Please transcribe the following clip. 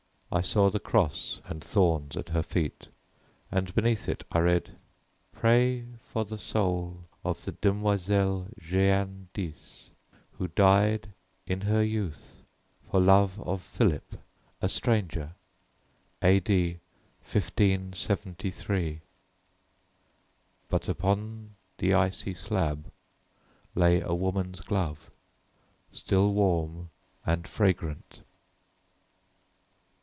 I saw the cross and thorns at her feet, and beneath it I read: "PRAY FOR THE SOUL OF THE DEMOISELLE JEANNE D'Ys, WHO DIED IN HER YOUTH FOR LOVE OF PHILIP, A STRANGER. A.D. 1573." But upon the icy slab lay a woman's glove still warm and fragrant.